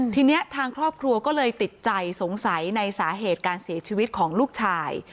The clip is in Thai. ทีนี้ทางครอบครัวก็เลยติดใจสงสัยในสาเหตุการเสียชีวิตของลูกชาย